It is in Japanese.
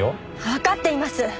わかっています！